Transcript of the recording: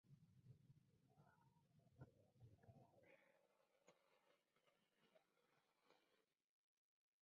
He went on to study Economics at the University of Leicester.